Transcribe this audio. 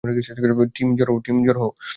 Team, জড়ো হ্ও।